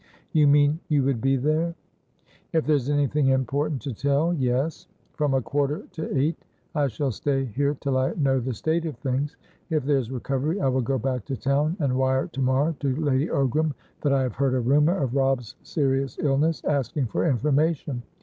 "You mean you would be there?" "If there's anything important to tellyes. From a quarter to eight. I shall stay here till I know the state of things. If there's recovery, I will go back to town, and wire to morrow to Lady Ogram that I have heard a rumour of Robb's serious illness, asking for information.